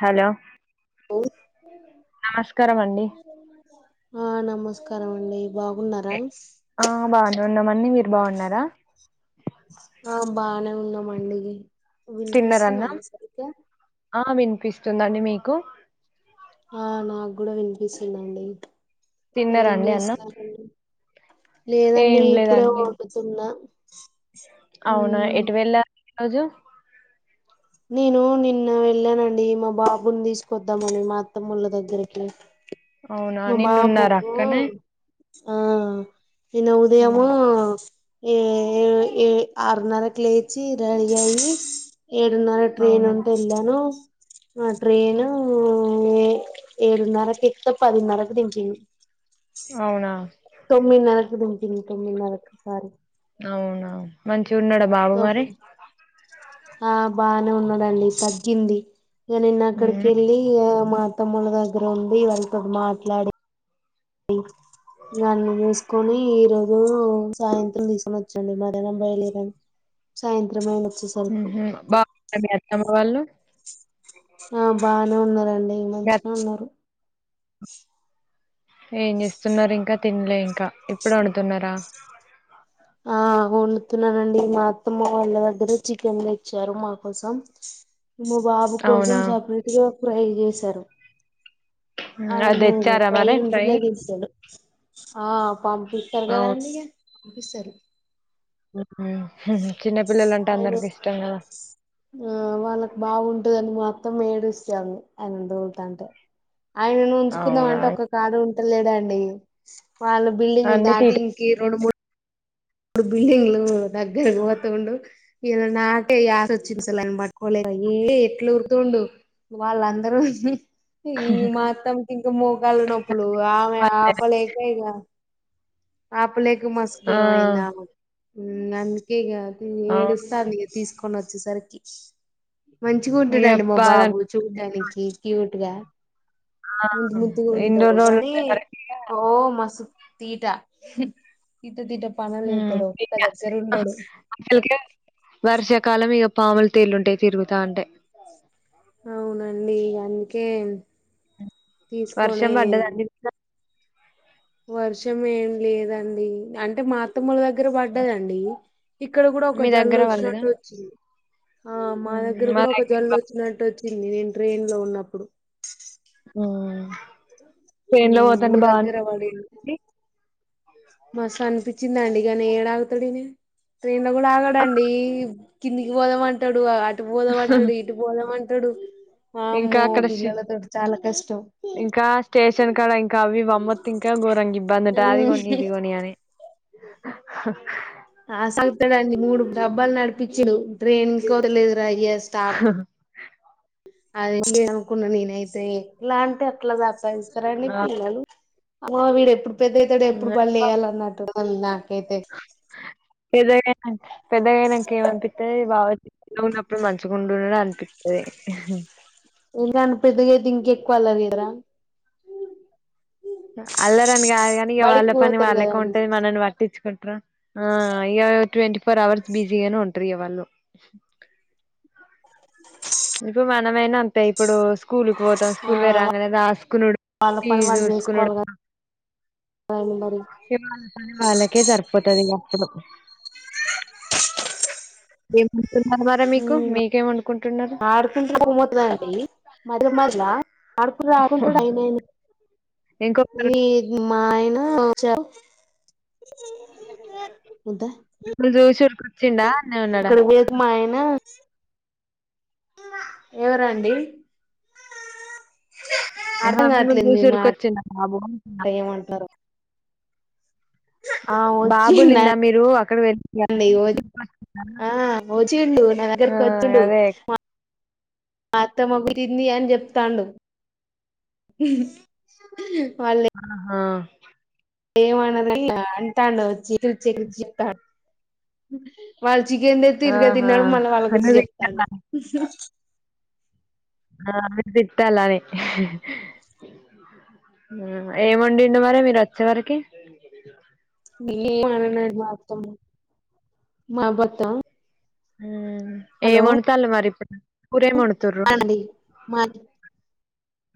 Hello మ్ నమస్కారం అండి ఆ నమస్కారం అండి. బాగున్నారా? ఆ బాగునే ఉన్నామండి. మీరు బాగున్నారా? ఆ బానే ఉన్నామండి. తిన్నరా అన్నం వినిపిస్తుందాండి సరిగా ఆ వినిపిస్తుందండి. మీకు ఆ నాకు కూడా వినిపిస్తుందండి. ఏం తిన్నారండి అన్నం చేస్తున్నారు? లేదండి ఏం ఇప్పుడే లేదండి వండుతున్నా. అవునా మ్మ్ ఎటు వెళ్ళారు ఈ రోజు? నేను నిన్న వెళ్ళానండి మా బాబుని తీసుకొద్దామని మా అత్తమ్మ వాళ్ళ దగ్గరికి. అవునా మా నిన్నున్నారా బాబుకు అక్కనే ఆ నిన్న ఉమ్, ఉదయము ఏ ఏ ఆరున్నరకు లేచి రెడీ అయ్యి ఏడున్నర కి ట్రైన్ అవునా ఉంటే వెళ్ళాను. ఆ ట్రైను ఏడున్నరకి ఎక్కుతాం. పదిన్నరకు దించింది. అవునా తొమ్మిదిన్నరకు దింపింది. తొమ్మిదిన్నరకు సారీ అవునా మంచిగా ఉన్నాడా బాబు మరి. తొమ్మిది ఆ బాగానే ఉన్నాడండి తగ్గింది. ఇక నిన్న అక్కడికి ఉమ్, వెళ్ళి మా తమ్ముల దగ్గర ఉండి వాళ్ళతోటి మాట్లాడి డి ఇక వాన్ని తీసుకొని ఈ రోజు సాయంత్రం తీసుకొని వచ్చానండి. మధ్యాహ్నం బయలు దేరినాము సాయంత్రమైనది నేను వచ్చే సరికి మ్ హూ బాగున్నారా మీ అత్తమ్మ వాళ్ళు. ఆ బానే ఉన్నారండి మీ అత్ మంచిగనే ఉన్నారు. [inaudible] ఏం చేస్తున్నారు ఇంకా తినలే ఇంకా ఇప్పుడే వండుతున్నారా? ఆ [inaudible] వండుతున్నానండి. మా అత్తమ్మ వాళ్ళ దగ్గర చికెన్ తెచ్చారు మా కోసం మా బాబు కోసం అవునా సపరేట్ గా ఫ్రై చేశాను. ఉమ్, అది ఆయిన తెచ్చారా ప్రై మరి ఉంటే ఫ్రై నే తింటాడు. ఆ పంపిస్తారు అవును కదాండి? పంపిస్తారు. చిన్నపిల్లలుంటే ఆయన అందరికి ఇష్టం కదా ఆ వాళ్ళకి బాగుంటదని మా అత్తమ్మ ఏడుస్తోంది ఆయన తోలుతాంటే ఆయన ఉంచుకుందామ అవునా అంటే ఒక కాడా ఉంటలేడండి వాళ్ళ బిల్డింగ్ అన్ని దాటి తీట రెండు మూడు మూడు బిల్డింగ్లు దగ్గర పోతుండు ఇలా నాకే యాస వచ్చింది. వాడిని పట్టుకోలేనని ఈడే ఎట్లు ఉరుకుతుండు వాళ్ళ అందరూ ఈ మా అత్తమ్మకి ఇంక మోకాళ్లు నొప్పులు ఆమె ఆపలేక ఇక ఆపలేక మస్త్ ఆ ఘోరం అయింది ఆమెకు అందుకే ఇక అవును ఏడుస్తాంది తీసుకొ ని వచ్చేసరికి మంచిగా ఇగ ఉంటాడండి మా బాధ బాబు చూడ్డానికి, క్యూట్ గా ఆ ముద్దు ముద్దు గా ఇన్ని ఉంటాడు రోజులు కానీ ఉండే వరకి ఇగ ఓ మస్తు తీట హ్మ్ తీట తీట పనులు హ్మ్ చేస్తాడు ఒక్క ఇగ దగ్గర ఉండడు. అసలుకే వర్షాకాలం ఇక పాములు, తేళ్ళు ఉంటాయి తిరుగుతా ఉంటాయి. అవునండి అందుకే వర్షం తీసుకొని పడ్డదండి నిన్న? వర్షం ఏం లేదండి. అంటే మా అత్తమ్మ వాళ్ళ దగ్గర పడ్డదండి. ఇక్కడ కూడా ఒక మీ జల్లు దగ్గర పడలేదా వచ్చినట్టు వచ్చింది ఆ మా దగ్గర కూడా ఒక జల్లు వచ్చినట్టు వచ్చింది. వచ్చింది నేను ట్రైన్ లో ఉన్నప్పుడు. ట్రైన్ లో ఉమ్, పోతాంటే మీ బానే దగ్గర పడింది మస్తు అనిపించిందండి. కానీ ఏడా ఆగుతాడు ట్రైన్ లో కూడా ఆగడండి. కిందికి పోదామ అంటాడు అటు పోదామంటాడు ఇటు పోదామ అంటాడు. ఆ ఇంకా అమ్మో అక్కడ షి పిల్లలతోటి చాలా కష్టం. ఇంకా స్టేషన్ కాడ ఇంకా అవి మమ్మత్తి ఇంకా ఘరంగా ఇబ్బంది. అది కొని ఉమ్. ఇది కొని అని ఆ ఆ అసలు మూడు డబ్బాలు నడిపించడు ట్రైన్ కోటు లేదు రా అయ స్టాప్ అదే అనుకున్నా నేనైతే ఇలాంటి అట్లా సతాయిస్తారండి పిల్లలు. అమ్మో వీడు ఎప్పుడు పెద్దయితాడు ఎప్పుడు బళ్లో వేయాలి అన్నట్టు ఉంది నాకైతే పెద్దగైనాక పెద్దగైనాక ఏమనిపిస్తాది బాబు చిన్నగా ఉన్నప్పుడు మంచిగుండడని అనిపిస్తా అన్నారుది. పోయి హ్ హి ఇంకాయన పెద్దగా అయితే ఇంక ఎక్కువ అల్లరి చేయరా? అల్లరని కాదు కానీ ఇగ బడికి వాళ్ళ పని పోతారు వాళ్ళకే కదండి ఉంటాది మనల్ని పట్టించుకుంటారా. ఆ ఇక ట్వంటీ ఫోర్ అవర్స్ బిజీగానే ఉంటారు వాళ్ళు. ఆ ఇప్పుడు మనమైనా అంతే ఇప్పుడు స్కూల్కి పో మొత్తం ఆ స్కూల్ పోయి రాంగానే రాసుకునుడు వాళ్ళ పని టీవీ చూసుకునుడు పని మరి వాళ్ళ పని వాళ్ళకే సరిపోతాది అప్పుడు ఏమంటున్నారు మరి మీకు మీకేమి వండుకుంటున్నారు. తు [unintelligible] పోతాదండి అండి మధ్య మధ్యలో ఆడుకుంటాడు, ఆడుకుంటాడు. ఎందైంది ఇంకొకరు మా ఆయనా నిన్ను జూషి ఉరికి ఒచ్చిండా ఆన్నే ఉన్నాడా మాయనా ఎవరండి ఆహా అర్థం మిమ్మల్ని కావట్లేదు మీ చూసి మాట ఉరికొచ్చిండా బాబు అంటున్నా ఏమం ఆ బాబు నిన్న వచ్చిండండి మీరు అక్కడ వెళ్ళి [unintelligible] ఒచ్చిండు నా ఆ దగ్గరికి ఒచ్చిండు అదే అత్తమ్మ గుటింది అని చెప్తాండు వాళ్లే ఆహా ఏమనది అట్ల అంటాండు చిరు చిరు చీట వాళ్ళ చికెన్ తెతే ఇరగా ఆహా తిన్నాడు మళ్ళీ వాళ్ళకుచి నువ్వు చెప్తాడు తిట్టాలా ఆ మీరు తిట్టాలని ఊ ఏమండిండు మరి మీరు వచ్చే వరకి ఏమనడు మాత్తమని మాబత్త ఊ ఏం వండుతాళ్లు ఇప్పుడు కూరేమండుతల్ అంది మరి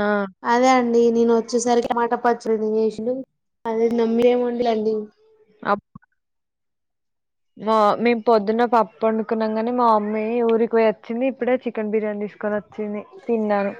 ఆ అదే అండి నేను వచ్చేసరికి టమాటపచ్చడి చేసిండు అదే నమ్మి ఏమిండలేండి అబ్ మా మేము పొద్దున్న పప్పు వండుకున్నాం గానీ మా మమ్మీ ఊరికి పోయి వచ్చింది ఇప్పుడే చికెన్ బిర్యానీ తీసుకొని వ చింది తిన్నాను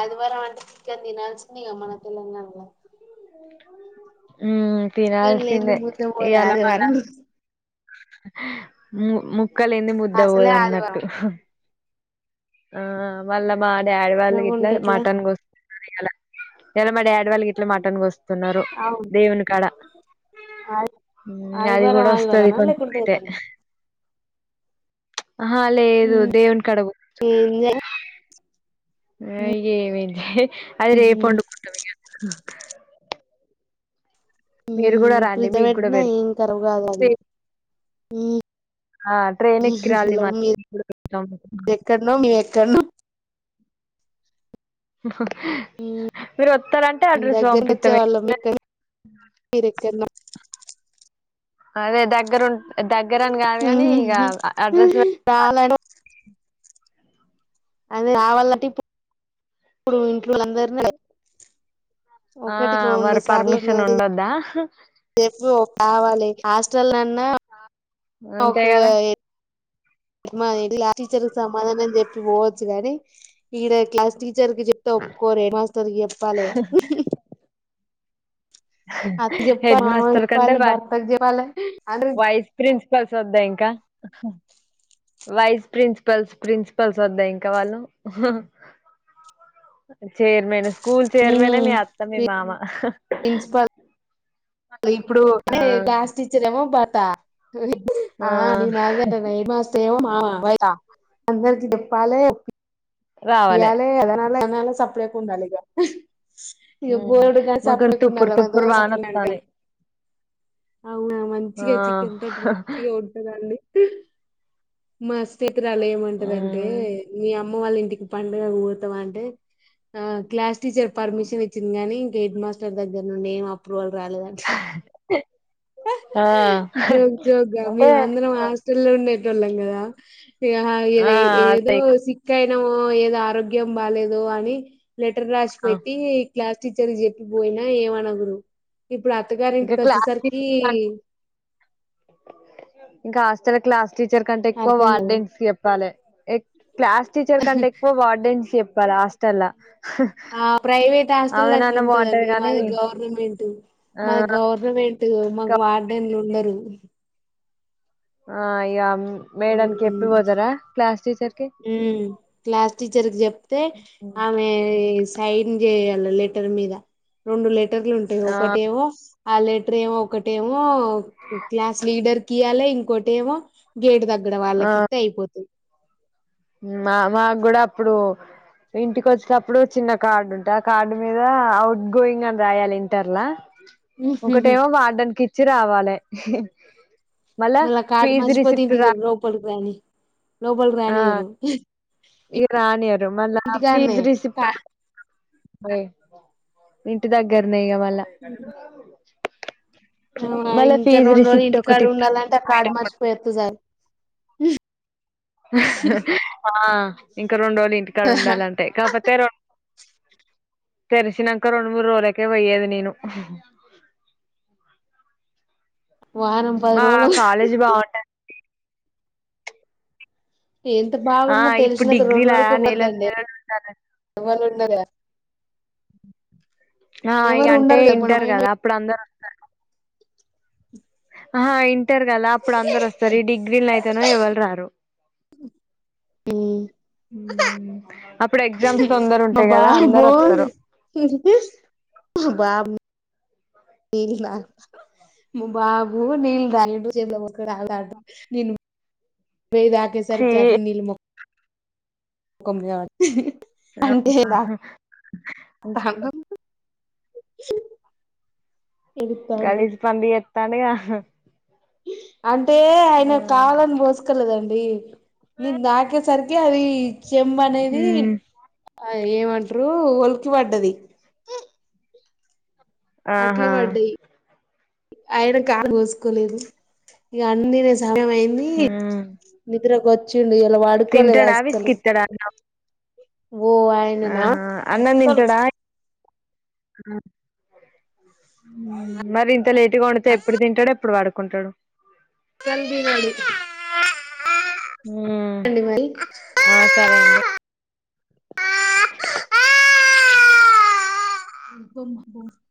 ఆదివారం అంటే చికెన్ తినాల్సింది ఇగ మన తెలంగాణల మ్మ్ చికెన్ లేనిది తినాల్సిందే ముద్ద పోదు ఇయాల మళ్ళ ఆదివారం రోజు ము ముక్కలేంది అసలే ముద్దపోదు అన్నట్టు ఆదివారం ఆ మళ్ళ మా డాడీ వాళ్ ఇట్లా తినకుంటే ఎట్లా మటన్ కోస్తున్నారు ఇయాల ఇయాల మా డాడీ వాళ్లు గిట్ల మటన్ కోస్తున్నారు అవును దేవుని కడ ఆది ఊమ్ అది ఆదివారం కూడా వస్తది ఆదివారమా లేకుంటే కొంచమయితే ఏదన్నా అహ లేేదు దేవున్ కడ గొ ఏందా ఆ ఇగ ఏమైంది అయి రేపు ఉహు వండుకుంటమిగ మీరు కూడా రండి ఫ్రిడ్జ్ లో మీకు కూడా పెట్టినా ఏం కరాబ్ కాదు అది పెడ్తి ఆ ట్రైన్ ఎక్కి రాలి మరి మీకు కూడ పెడ్తమ్ ఎక్కడనొ మీ ఎక్కడనో మీరు వతరంటే ఎ అడ్రస్ దగ్గరకి వంపితం వచ్చే వాళ్ళం ఎక్కడ ఏమున్నది మీరెక్కన్నా అదే దగ్ దగ్గరున్ దగ్గరని కాదు కాని ఇగ అడ్రస్ పెట్ రావాలంటే అది కావాళ్ళట ఇప్పుడు ఇంట్లో అందరినీ ఒకటికి రెండు సార్లున్నది ఒదా అహ చెప్పు కావాలి హాస్టల్ అన్నా ఒక అంతే కదా మా క్లాస్ టీచర్ కి సమాధానం చెప్పి పోవచ్చు గానీ ఈడ క్లాస్ టీచర్ కి చెప్ తొప్పుకోరు హెడమాస్టర్ కి చెప్పాలి అత్త హెడ్ చెప్పాలి మామ మాస్టర్ కంటే చెప్పాలి వ భర్తకు చెప్పాలి అందరి వయిస్ ప్రిన్సిపల్స్ వద్దా ఇంకా వైస్ ప్రిన్సిపల్స్, ప్రిన్సిపల్స్ వద్దా ఇంకా వాళ్ళు చైర్మన్, స్కూల్ చైర్మనే మీ అత్త మీ మామ. ప్రిన్సిపాల్ ఇప్పుడు అ ఆ క్లాస్ టీచర్ ఏమో పాత ఆ నేను అదే అంటున్నా అందరికి చెప్పాలే. రావాలే ఇయ్యాల అదనాల సప్పుడు చేయకుండా ఉండాలిగ ఇ ఉమ్, బోడు కాసి మాకు ఇక్కడ సప్పుడుకు తుప్పురు ఉండాల మదో తుప్పురు వాన సప్పుడు వత్తాంది అంటాయి. అవునా ఆ మంచిగా చికెన్ తోటి మంచిగా మా స్నేహితురాలు ఏమంరాదంటే హ్మ్ మీ అమ్మ వాళ్ళ ఇంటికి పండుగకు పోతావా అంటే? ఆ క్లాస్ టీచర్ పర్మిషన్ ఇచ్చింది కాని ఇంక హెడ్ మాస్టర్ దగ్గర నుండి ఏం అప్రూవల్ రాలేదంట. ఆ జోకు జోకు గా అంటే మేము అందరం హాస్టల్ లో ఉండేటోళ్ళం కదా ఇక ఎద ఆ అదే ఏదో సిక్ అయినాము ఏదో ఆరోగ్యం బాలేదు అని లెటర్ రాసి ఆ. పెట్టి క్లాస్ టీచర్ చెప్పిపోయినా ఏమనరు. ఇప్పుడు అత్తగారి ఇంకా ఇంటికి క్లాస్ వచ్చేసరికి టీచర్ కంటే ఇంకా హస్టల క్లాస్ టీచర్ కంటే ఎక్కువ అర్థం కదా వార్డెన్స్ కి చెప్పాలి. క్లాస్ టీచర్ కంటే ఎక్కువ వార్డెన్స్ చెప్పాల హాస్టల్ లో ఆ ప్రైవేట్ హాస్పిటల్ అట్లా బాగుంటది ఉంటదండి. గానీ మాది గవర్నమెంట్ ఆ మాది గవర్నమెంట్ ట్ మాకు ఇంకా- వార్డెన్లు ఉండరు. ఆ ఇక మేడమ్ కి చెప్పి పోతారా క్లాస్ టీచర్ కి హ్మ్ క్లాస్ టీచర్ కి చెప్తే ఆమె సైన్ చేయాలి లెటర్ మీద రెండు లెటర్లు ఉంటాయి ఆ ఒకటేమో ఆ లెటర్ ఏమో ఒకటేమో క్లాస్ లీడర్కి ఈయాల ఇంకోటి ఏమో గేటు దగ్గర ఆ వాళ్ళకి ఇస్తే అయిపోతాది. మా మాకు కూడా అప్పుడు. ఇంటికి వచ్చేటప్పుడు చిన్న కార్డు ఉంటాది ఆ కార్డు మీద అఔట్ గోయింగ్ అని రాయాలి ఇంటర్లో ఒకటేమో వాార్డాన్ కి ఇచ్చి రావాలి. మళ్ళా ఫీజు రిసిప్ట్ రా లోపలకి రానీయరు. ఆ ఇ రానియరు మళ్ళా ఫీజ్ ఇంటికాడనే రిసిప్ట్ కా ఇంటి దగ్గరనే ఇక మళ్ళా మళ్ళా ఇంకా ఫీజు రెండు రోజులు రిసిప్ట్ ఇంటి ఒకటి కాడా ఇత్తారు ఉండాలంటే ఆ కార్డు పోయేటప్పుడు మర్చిపోయేస్తే చాలు. ఆ ఇంకా రెండు రోజులు ఇంటికాడ ఉండాలంటే కాకపోతే రెండు తెరిసినాక రెండు మూడు రోజులకే పోయ్యేది నేను వారం పది మా రోజులు కాలేజీ బాగుంటుంది. ఎంత ఆ బాగున్నా ఇప్పుడు తెరిసినాక రెండు డిగ్రీలా రోజులకి నెలలు పోతాండే నెలలు ఉంటారు ఎవరుండరుగా ఆ ఇక అంటే ఇంటర్ కదా అప్పుడు అందరూ ఆహా ఇంటర్ కదా అప్పుడు అందరూ వస్తారు. ఈ డిగ్రీలో అయితేనో ఎవ్వలు రారు. అప్పుడు ఎగ్జామ్స్ తొందర ఉంటాయి కదా అందరూ వస్తారు. ఏంటిది మీ బాబు యెల్లిండా [unintelligible] మీ బాబు నేను గాని రెండు చేతులు పట్టుకుని అడుడే ఆడుడు నేను. వే దాటే చీ సరికి అటిని నీల్ మో కొమ్ము యార్డు హ్ హి హి రామ్ అహ అగు గలీజ్ పనులు చేతండుగా అంటే ఆయన ఆ కావాలని పొసుకోలేదండి నేను నాకే సరికి అది చెంబ అనేది మ్మ్. ఆ ఏమంటారు ఒలికి పడ్డది అట్లా ఆహా పడ్డాయి ఆయన కా కోసుకోలేదు ఇక అన్ని రెస్ సమయం అయింది మ్మ్. నిద్రకు వచ్చిండు ఇయలా వడుకోలేదు అసలు ఇక్కడన్నవ్ ఓ అయననా అసలు అ ఊ మరి ఇంత లేట్గా వొండ్ తే ఎప్పుడు తింటాడు ఎప్పుడు వడుకుంటాడు కన్ తినది ఆ ఆ సరే అండి [inaudible]